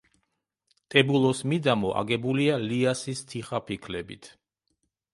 ტებულოს მიდამო აგებულია ლიასის თიხაფიქლებით.